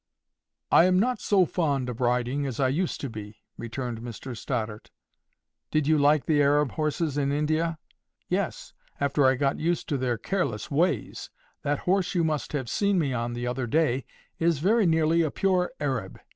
"I am not so fond of riding as I used to be," returned Mr Stoddart. "Did you like the Arab horses in India?" "Yes, after I got used to their careless ways. That horse you must have seen me on the other day, is very nearly a pure Arab.